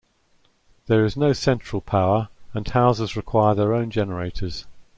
There is no central power, and houses require their own generators.